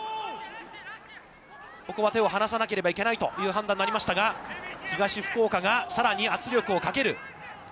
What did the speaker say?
ここは手を離さなければいけないという判断になりましたが、東福岡がさらに圧力をかける。